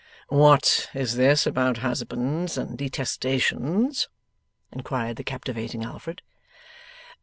'What is this about husbands and detestations?' inquired the captivating Alfred.